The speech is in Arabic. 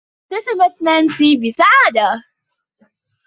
ابتسمت نانسي بسعادة.